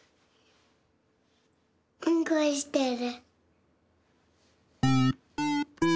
うんこしてる。